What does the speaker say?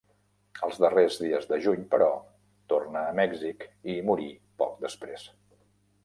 Els darrers dies de juny, però, tornà a Mèxic i hi morí poc després.